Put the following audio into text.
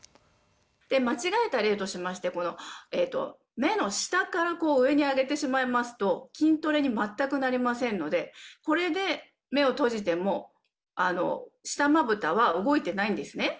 間違えた例としまして目の下から上に上げてしまいますと筋トレに全くなりませんのでこれで目を閉じても下まぶたは動いていないんですね。